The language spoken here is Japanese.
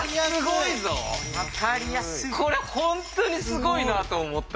これは本当にすごいなと思った。